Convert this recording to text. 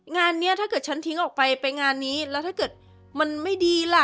งานนี้ถ้าเกิดฉันทิ้งออกไปไปงานนี้แล้วถ้าเกิดมันไม่ดีล่ะ